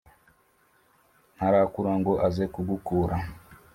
ntarakura ngo aze kugukura?"